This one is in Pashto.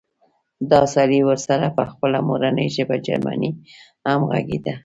دا سړی ورسره په خپله مورنۍ ژبه جرمني هم غږېده